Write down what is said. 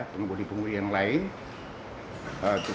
pengemudi pengemudi yang lain